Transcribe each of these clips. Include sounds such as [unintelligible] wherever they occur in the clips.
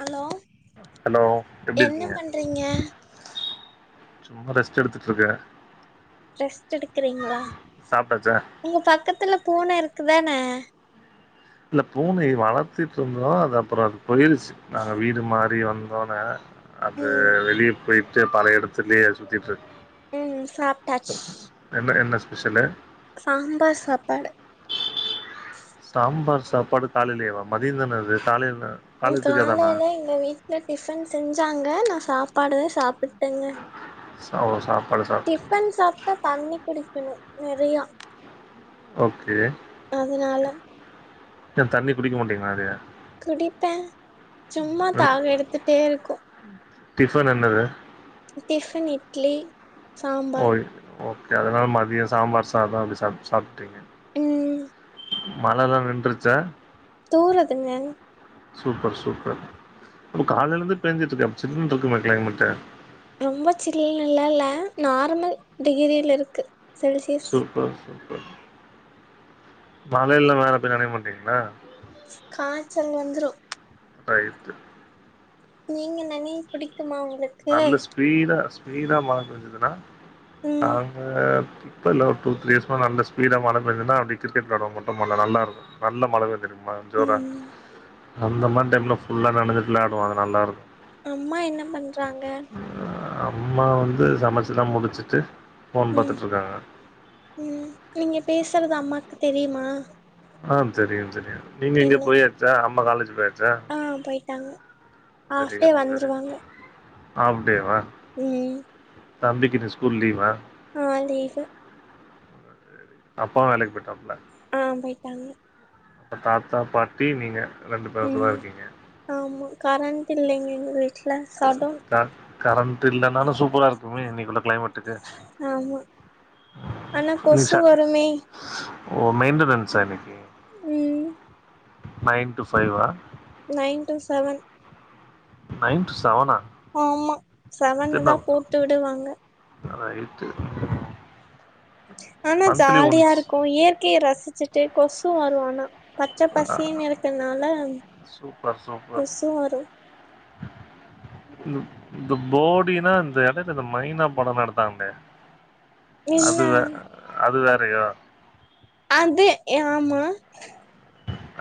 Hello hello எப்டி என்ன இருக்கீங்க பண்றீங்க சும்மா ரெஸ்ட் எடுத்துட்டு இருக்கே ரெஸ்ட் எடுக்குறீங்களா சாப்டாச்சா உங்க பக்கத்துல பூன இருக்குதான இல்ல பூனை வளத்திட்டுருந்தோ அது அப்புற போயிருச்சு நாங்க வீடு மாரி வந் தோனே அது ம் வெளிய போயிட்டு பல இடத்துலயே அது சுத்திட்டுருக்கு ம் ச சாப்ட்டாச்சு என்ன என்ன ஸ்பெஷலு சாம்பார் சாப்பாடு சாம்பார் சாப்பாடு காலைலேவா மதியந்தானே அது காலைல என்ன காலைல எங்க வீட்ல டிஃபன் செஞ்சாங்க நா சாப்பாடு சாப்பிட்டேங்க சாப்டு சாப்பாடு சாப்ட்டு டிஃபன் சாப்ட்டா தண்ணி குடிக்கணு நெறையா ஓகே அதனால ஏ தண்ணி குடிக்க மாட்டீங்களா நெறையா குடிப்பே சும்மா தாகம் எடுத்துட்டே இருக்கு டிஃபன் என்னது டிஃபன் இட்லி சாம்பார் ஓய் ஓகே அதனால மதிய சாம்பார் சாதம் அப்டி சாப் சாப்ட்டீங்க ம் மழ லா நின்றுருச்சா தூறுதுங்க சூப்பர் சூப்பர் அப்போ காலைலர்ந்து பேஞ்சிட்ருக்கே அப்ப சில்லுன்ருக்குமே க்ளைமெட்டு ரொம்ப சில்லுனுலா இல்ல நார்மல் டிகிரில இருக்கு செல்சியஸ் சூப்பர் சூப்பர் மழைல வேற போய் நனைய மாட்டீங்ளா காச்சல் வந்துரு ரைட்டு நீங்க நனைய புடிக்குமா உங்ளுக் நல்ல ஸ்பீடா ஸ்பீடா மழ பேஞ்சிதுன்னா ம் நாங்க இப்ப இல்ல ஒரு டூ த்ரீ அர்ஸ் மேல நல்லா ஸ்பீடா மழ பேஞ்சிதுனா அப்டே கிரிக்கெட் விளாட மட்டு போலா நல்லா இருக்கு நல்லா மழ பேஞ்சதுமே மழ ஜோரா ம் அந்த மாரி டைம்லா ஃபுல்லா நனஞ்சிட் விளாடுவோ அது நல்லா இருக்கு அம்மா என்ன பண்றாங்க அ அம்மா வந்து சமச்சில்லா முடிச்சிட்டு ஃபோன் ம் பாத்துட்ருக்காங்க ம் நீங்க பேசறது அம்மாக்கு தெரியுமா ஆ தெரியு தெரியு நீங்க இங்க என்ன போயாச்சா அம்மா காலேஜ் போயாச்சா ஆ போய்ட்டாங்க ஹாஃப்டே வந்துருவாங்க ஆஃப்டேவா ம் தம்பிக்கென்ன ஸ்கூல் லீவா ஆ லீவு அப்பா வேலைக் போய்ட்டாப்ல ஆ போய்ட்டாங்க தாத்தா பாட்டி நீங்க ரெண்டு பேர்த்தோட தா ம் இருக்கீங்க ஆமா கரண்ட் இல்லைங்க எங்க வீட்ல சடோன் க கரண்ட் இல்லனாலு சூப்பரா இருக்குமே இன்னைக்குள்ள க்ளைமெட் ஆமா ஆனா கொசு நிஷா வருமே ஓ மெய்ன்டனன்ஸா இன்னைக்கி ம் நைன் டூ ஃபைவா nine two seven night two செவனா ஆமா செவன்னு தா போட்டு விடுவாங்க ரைட்டு ம் ஆனா ஜாலியா இருக்கு இயற்கைய ரசிச்சிட்டே கொசு வரு ஆனா பச்ச ஆ பசேன் இருக்கற்னால சூப்பர் கொசு வரு லுப் இந்த போடினா இந்த எடைல இந்த மைனா படம் எடுத்தாங்ளே என்ன அது வே அது வேறயோ அது எ ஆமா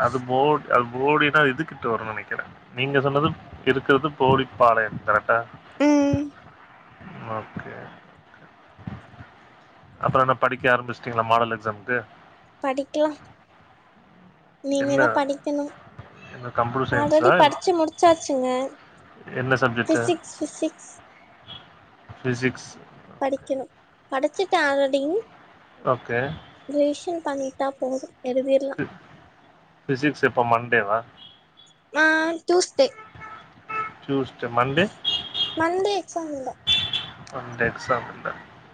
அது போட் அது போடினா இதுகிட்ட வருன் நெனக்கிறே நீங்க சொன்னது இருக்கற்து போடிப்பாளையோ கரக்ட்டா ம் ம் ஓகே ஓகே அப்றோ என்ன படிக்க ஆரம்பிஸ்ட்டீங்ளா மாடல் எக்ஸாம்க்கு படிக்லா இனிமே என்ன தா படிக்கணு என்ன கம்ப்யூட்டர் சயின்ஸா ஆல்ரெடி படிச்சு முடிச்சாச்சுங்க என்ன சப்ஜெக்ட் ஃபிசிக்ஸ் ஃபிசிக்ஸ் ஃபிசிக்ஸ் படிக்கணு படிச்சுட்ட ஆல்ரெடி ஓகே ரிவிஷன் பண்ணிட்டா போது எழுதுதீர்லா ஃபிசிக்ஸ் எப்ப மண்டேவா ஆ Tuesday Tuesday Monday Monday exam இல்ல மண்டே எக்ஸாம் இல்ல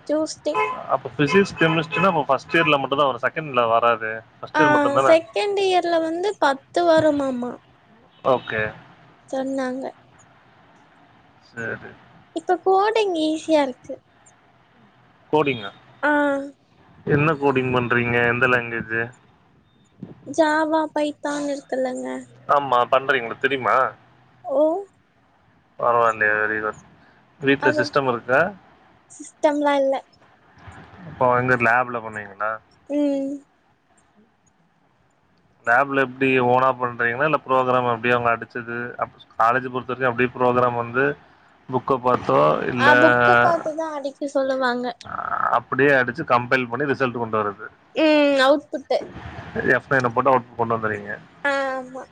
ட்யூஸ்டே அப்ப ஃபிசிக்ஸ் கெமிஸ்ட்ரினா அப்ப ஃபஸ்ட் இயர்ல மட்டுதா வரு செகண்ட் இயர் ல வராதே ஃபஸ்ட் ஆ செகண்ட் இயர்ல வந்து பத்து வருமாமா ஓகே சொன்னாங்க சரி இப்ப கோடிங் ஈஸியா இருக்கு கோடிங்கா ஆ என்ன கோடிங் பண்றீங்க எந்த லாங்குவேஜ் ஜாவா பைத்தான் இருக்குல்லங்க ஆமா பண்றீங்க உங்களுக்கு தெரியுமா ஓ பரவாயில்லயே வெரி குட் வீட்ல அது சிஸ்டம் இருக்கா சிஸ்டம்லா இல்ல அப்போ. எங்க லேப்ல பண்ணுவீங்களா ம் லேப்ல எப்டி ஓனா பண்றீங்களா இல்ல ப்ரோகராம் அப்டி அவங்க அடிச்சது அ காலேஜ் பொறுத்த வரைக்கு அப்டியே ப்ரோகராம் வந்து புக்க பாத்தோ ஆ இல்ல புக்க பாத்துதா அடிக்க சொல்லுவாங்க அ அப்டியே அடிச்சு கம்பைல் பண்ணி ரிசல்ட் கொண்டு வரது ம்ம் அவுட் புட்டு எஃப் நயன போட்டு அவுட் புட் கொண்டு வந்துர்ரீங்க ஆ ஆமா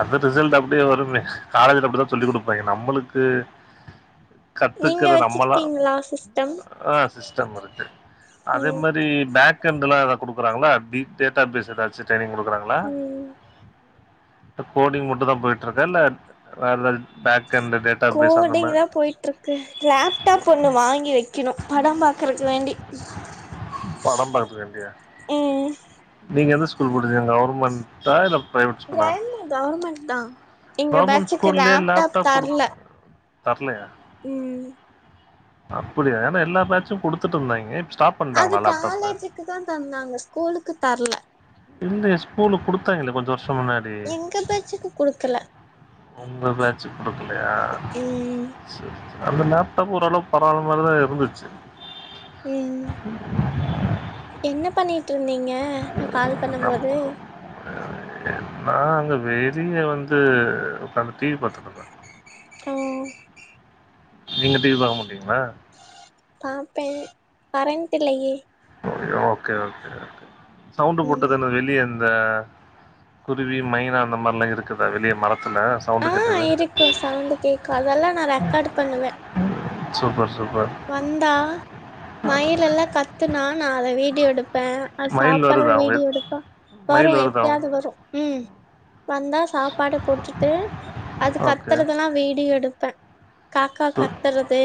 அது ரிசல்ட் அப்டியே வருமே காலஜ்ல அப்டிதா சொல்லி குடுப்பாங்க நம்மளுக்கு நீங்க கத்துக்கற நம்மளா வச்சிருக்கீங்களா சிஸ் ஆ சிஸ்டம் இருக்கு அதே ம் மாரி பேக் கென்டுலா எதா குடுக்குறாங்களா எப்டி டேட்டா பேஸ் எதாச்சு ட்ரெய்னிங் குடுக்குறாங்களா ம் கோடிங் மட்டு தா போயிட்டு இருக்கா இல்ல வேற ஏதாவது பேக் என்டு டேட் கோடிங் தா போயிட்டு இருக்கு லப்டாப் ஒண்ணு வாங்கி வைக்கணு பட பார்கறக்கு வேண்டி [inaudible] பட பாத்துக்க வேண்டியா ம் நீங்க எந்த ஸ்கூல் முடிச்சிங்க கவுர்மண்ட் சாய் ராம் பிரைவேட் ஸ்கூல்லா ஆமா கவர்மண்ட் தா எங்க கவர்மண்ட் பேட்சுக்கு ஸ்கூல்லயே லேப்டாப் லப்டாப் தர்ல குடுப் தரலயா ம் அப்டியா ஏன்னா எல்லா பேட்சு குடுத்துட்டு இருந்தாங்க இப்ப ஸ்டாப் அது பண்ணிட்டாங்களா லேப்டாப்பு காலேஜுக்கு தா தந்தாங்க ஸ்கூலுக்கு தர்ல இல்லயே ஸ்கூலுக் குடுத்தாங்களே கொஞ்ச வர்ஷம் முன்னாட் டே எங்க பேட்சுக்கு குடுக்கல உங்க பேச்சு குடுக்கலையா ம் சேரி சே அந்த லேப்டாப்பு ஒரளவுக் பரவால மாரிதா இருந்துச்சு ம் என்ன பண்ணிட்ருந்தீங்க நா கால் பண்ணம்மோது நா அங்க வெறிய வந்து உக்காந்து டி வி பாத்துட்ருந் ஓ நீங்க டி வி பாக்க முட்டீங்ளா பாப்பே கரண்ட்டில்லையே [unintelligible] ஓகே ஓகே ஓகே சவுண்டு ம் போட்டதனே வெளியந் த குருவி மைனா அந்த மார்லா இருக்குதா வெளியே மரத்துல அ சவுண்டு கேட்டது இருக்கு சவுண்ட்டு கேக்கும் அதெல்லா நா ரெக்கார்டு பண்ணுவே சூப்பர் சூப்பர் வந்தா மயிலெல்லா கத்துனா நா அத வீடியோ எடுப்பே அ மயில் சாப்பற வருதா உங்க வீடியோ எடுப்பா வரு மயில் வருதா எப்யாது வரு ம் வந்தா சாப்பாட போட்டுட்டு அது ஓகே கத்தறதெல்லா வீடியோ எடுப்பே காக்கா சூ கத்தறது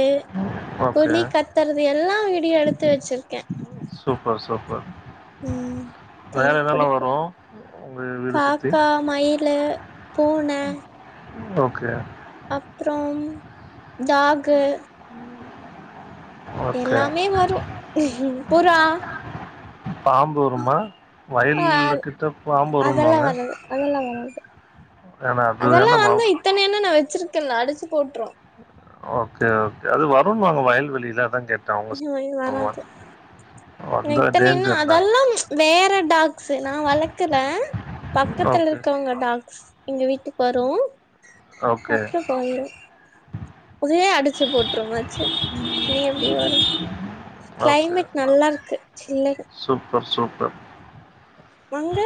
ஓகே குழி கத்தறது எல்லா வீடியோ எடுத்து வெச்சிருக்கே சூப்பர் சூப்பர் ம் வேற தெரி எதெல்லா புடிக்கு வரும் உங்க வீடு சுத்தி காக்கா மயிலு பூன ஓகே அப்றம் டாகு ஓகே எல்லாமே வரு புறா பாம்பு வருமா ஆ வயல்லு கிட்ட பாம்பு அதெல்லா வருன்வாங்க வராது அதெல்லா வராது அது அதெல்லா ஏன்னா ம- வந்தா இத்தன என்ன நா வெச்சிருக்கேன்ன அடிச்சு போட்ரு ஓகே ஓகே அது வருன்வாங்க வயல்வெளில அதாங் கேட் ஒயின் வராது எனக் வந்தா இத்தனையென்னா டேஞ்சர்ல அதெல்லாம் வேற டாக்ஸ்சு நா வளக்கல பக்கத்துல ஓகே இருக்கவுங்க டாக்ஸ் எங்க வீட்டுக் வரு ஓகே அப்றம் போயிரு உதுவே அடிச்சு போட் ட்ற மாச்சே நீ எப்டி வரு ஓகே கிளைமேட் நல்லார்ருக்கு சில்லுனு சூப்பர் சூப்பர் வங்கே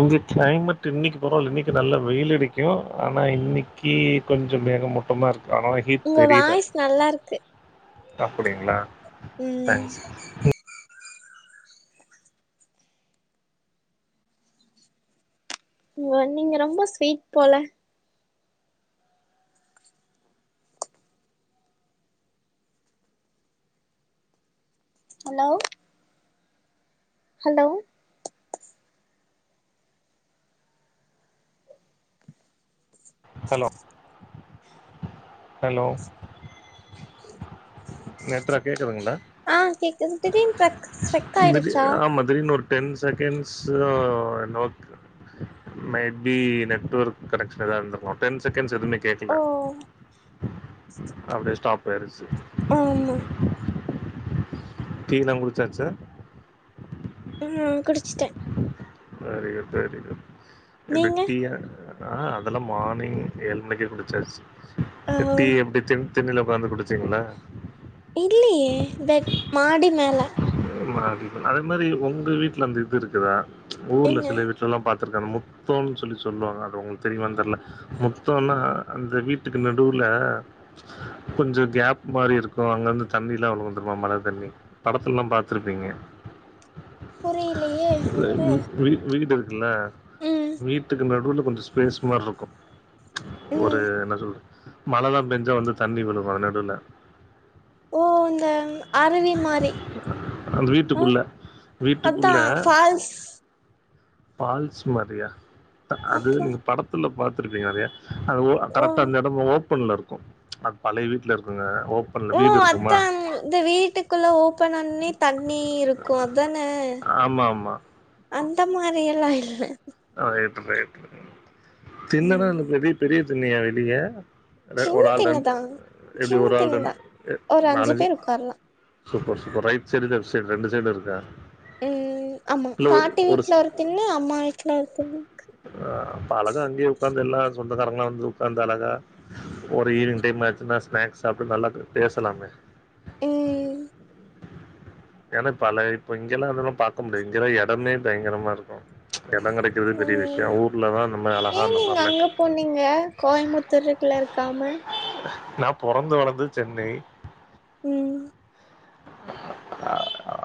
இங்க கிளைமெட்டு இன்னிக்கு பரவால இன்னிக்கு நல்ல வெயிலடிக்கு ஆனா இன்னிக் கீ கொஞ்சம் மேகமூட்டமா இருக்கு [unintelligible] கித் உங்க தெரில வாய்ஸ் நல்லா இருக்கு அப்டிங்ளா ம் தேங்க்ஸ் உங்க நீங்க ரொம்ப ஸ்வீட் போல hello hello hello hello Nethra கேக்குதுங்ளா ஆ கேக்குது திடீர்னு ட்ரக் ஸ்ட்ரக் ஆயிடுச்சா திடீர் ஆமா திடீர்னு ஒரு டென் செகண்ட்ஸ் ஒ நோக் மே பி நெட்வொர்க் கெடக்ச்சதா இருந்துருக்கலா டென் செகண்ட்ஸ் எதுமே கேக்கல ஓ அப்டியே ஸ்டாப் ஆயிருச்சு ஆமா டீ ல்லா குடிச்சாச்சா ம் குடுச்சுட்ட செரிங்க செரிங்க எப்டி நீங்க டீயா ஆ அதெல்லா மார்னிங் ஏழு மணிக்கே குடுச்சாச்சு ஆ டி எப்டி தின் திண்டுல உக்காந்து குடுச்சீங்களா இல்லியே பெட் மாடி மேல மாடி அதே மாரி ஒங்க வீட்ல அந்த இது இருக்குதா ஊர்ல என்ன சில வீட் அதல்லா பாத்து இருக்க முத்தோம் னு சொல்லி சொல்லுவாங்க அது உங்களுக்கு தெரியுமானு தெர்ல முத்தோனா அந்த வீட்டுக்கு நடுவுல கொஞ்சோ கேப் மாறி இருக்கு அங்க இருந்து தண்ணிலா உள்ள வந்துருமா மழ தண்ணி படத்துல்லா பாத்துருப்பீங்க புரியலையே எனக்கு வி வீடு இருக்குல்ல ம் வீட்டுக்கு நடுவுல கொஞ்சோ ஸ்பேஸ் மாரி இருக்கு ஒரு ம் என்ன சொல் மழலா பெஞ்சா வந்து தண்ணி விழுவா நெடுல ஓ அந்த அருவி மாரி அந்த ஆ வீட்டுக்குள்ள அதா வீட்டுக்குள்ள ஃபால்ஸ் பால்ஸ் மாரியா அது அப்றோ நீங்க படத்துல பாத்துருப்பீங்க நெறையா அதுவு ஓ கரெக்டா அந்த எடம் ஓபன்ல இருக்கு அது பழைய வீட்ல இருக்குங்க ஓப் ஓ அதான் இந்த வீட்டுக்குள்ள ஓபன்னோனே தண்ணி இருக்கோ அதான ஆமா ஆமா அந்த மாரி எல்லா இல்ல ஆ எட்டு பேரு திண்ண தா ம் அங்க பெரிய பெரிய திண்ணையா வெளிய சின்ன ஒரு ஆள் ரெண்டு திண்ணதா எப்டி சின்ன ஒரு ஆள் ரெண் திண்ணதா ஒரு அஞ்சு நாலஞ்சு பேர் உக்காரலா super super right side left side ரெண்டு சைடு இருக்கா ம் ஆமா பாட்டி வீட்ல ஒரு திண்ணு அம்மா வீட்ல ஒரு திண்ணு இர்க்கு ஆ அப்ப அலகா அங்கே உக்காந்துர்லா சொந்தகாறங்கால வந்து உக்காந்து அழகா ஒரு ஈவினிங் டைம் ஆச்சுன்னா ஸ்நாக்ஸ் சாப்டு நல்லா பேசலாமே ம் எனக்கு பல இப்ப இங்கெல்லா அதெல்லா பாக்க முடியு இங்கெல்லா எடமே பயங்கரமா இருக்கு எடங் கெடைக்கிறதே பெரிய விஷ்யோ ம் ஊர்ல தா அந்த மாரி அழகா அந்த மாரிலா கெட் கோயம்பத்தூருக்குள்ள இருக்காம நா பொறந்து வளந்தது சென்னை ம்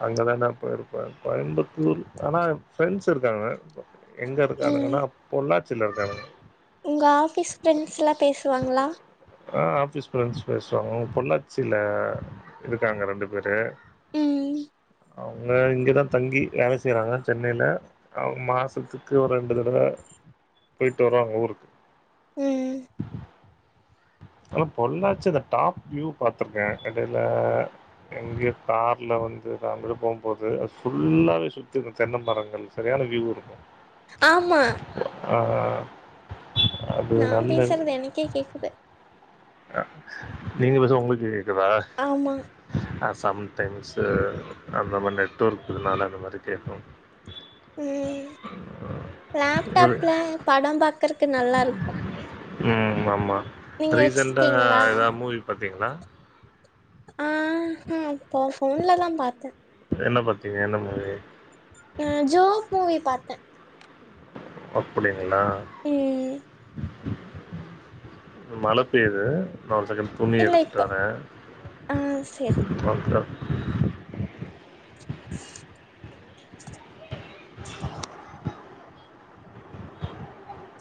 அங்க தா டா போயிருக்க கோயம்புத்தூர் ஆனா ஃப்ரெண்ட்ஸ் இருக்காங்க எங்க ம் இருக்கானுங்கண்ணா பொள்ளாச்சில இருக்காங்க உங்க ஆபீஸ் ப்ரெண்ட்ஸ்ல்லா பேசுவாங்களா ஆ ஆபீஸ் ப்ரெண்ட்ஸ் பேசுவாங்க அவுங்க பொள்ளாச்சில இருக்காங்க ரெண்டு பேரு ம் அவுங்க இங்கதா தங்கி வேல செய்றாங்க சென்னைல அவ மாசத்துக்கு ஒரு ரெண்டு தடவ போயிட்டு வருவாங்க ஊருக்கு ம் ஆனா பொள்ளாச்சி அந்த டாப் வியூ பாத்திருக்க எடைல எங்க கார்ல வந்து சாந்தரம் போம் போது அது ஃபுல்லாவே சுத்தி இந்த தென்ன மரங்கள் சரியான வியூ இருக்கும் ஆமா ஆஹ் அது நா நல்ல பேசறது எனக்கே கேக்குது நீங்க பேசறது உங்ளுக்கே கேக்குதா ஆமா ஆ சம்டைம்ஸ் அந்த மாரி நெட் ஒர்க்கனால அந்த மாரி கேட்கு [inaudible] ம் ஒரு- லேப்டாப்ல படம் பாக்கறக்கு நல்லாருக்கு ம் ஆமா ரீசென்டா வச்சிருக்கீங்களா ஏதாவ் மூவி பாத்தீங்களா ஆ அப்போ ஃபோன்லதா பாத்தே என்ன பாத்தீங்க என்ன மூவி ஆ ஜோ மூவி பாத்தே அப்டிங்களா ம் மழை பெய்யுது ந ஒரு செக துணி இல்ல எடுத்ட்டு இப்ப வரேன் ஆ செரி பக்க [inaudible]